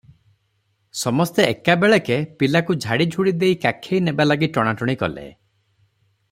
ସମସ୍ତେ ଏକାବେଳକେ ପିଲାକୁ ଝାଡ଼ିଝୁଡ଼ି ଦେଇ କାଖେଇ ନେବା ଲାଗି ଟଣାଟଣି କଲେ ।